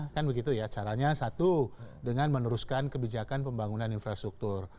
kan begitu ya caranya satu dengan meneruskan kebijakan pembangunan infrastruktur